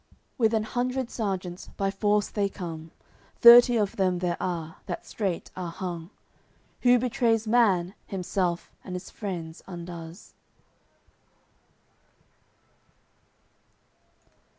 With an hundred serjeants by force they come; Thirty of them there are, that straight are hung. Who betrays man, himself and 's friends undoes.